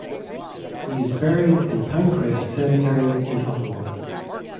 He is buried in Pinecrest Cemetery in Ottawa.